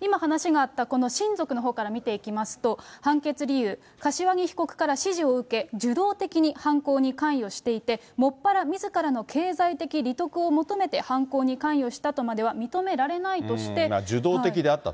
今、話があったこの親族のほうから見ていきますと、判決理由、柏木被告から指示を受け、受動的に犯行に関与していて、もっぱらみずからの経済的利得を求めて犯行に関与したとまでは認受動的であったと。